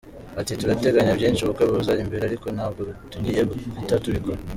Ati “Turateganya byinshi, ubukwe buza imbere ariko ntabwo tugiye guhita tubikora.